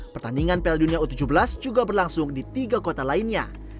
pertandingan piala dunia u tujuh belas juga berlangsung di tiga kota lainnya